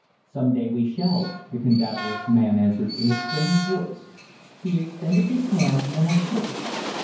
"Some day we shall," the cadaverous man answered in a strange voice. He extended his hand, and I shook it.